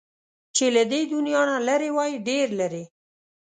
چې له دې دنيا نه لرې وای، ډېر لرې